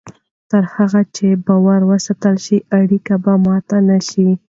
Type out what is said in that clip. تر هغه چې باور وساتل شي، اړیکې به ماتې نه شي.